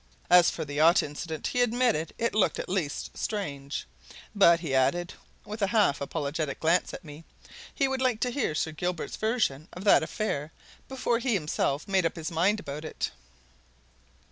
As for the yacht incident, he admitted it looked at least strange; but, he added, with a half apologetic glance at me, he would like to hear Sir Gilbert's version of that affair before he himself made up his mind about it.